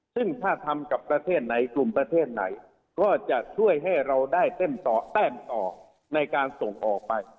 ซึ่งถ้าทำกับประเทศไหนกลุ่มประเทศไหนก็จะช่วยให้เราได้เต้นต่อแต้มต่อในการส่งออกไป